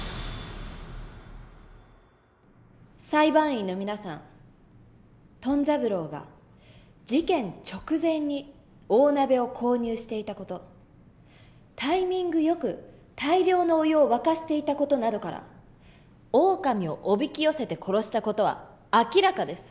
裁判員の皆さんトン三郎が事件直前に大鍋を購入していた事タイミングよく大量のお湯を沸かしていた事などからオオカミをおびき寄せて殺した事は明らかです。